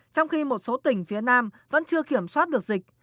trong khi một số tỉnh phía nam vẫn chưa kiểm soát được dịch